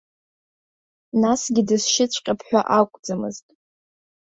Насгьы дысшьыҵәҟьап ҳәа акәӡамызт.